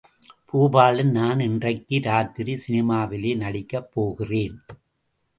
பூபாலன், நான் இன்றைக்கு ராத்திரி சினிமாவிலே நடிக்கப் போகிறேன்.